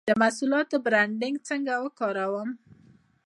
د محصولاتو برنډینګ څنګه وکړم؟